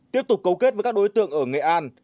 tiếp tục cấu kết với các đối tượng ở nghệ an